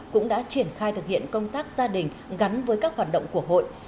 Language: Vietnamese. cũng đã triển khai thực hiện công tác gia đình gắn với các hoạt động của hội